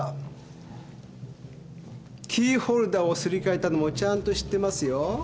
キーホルダーをすり替えたのもちゃんと知ってますよ。